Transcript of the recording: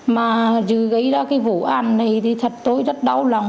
mà dù gây ra cái vụ án này thì thật tôi rất đau lòng